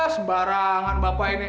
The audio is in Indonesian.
sembarangan bapak ini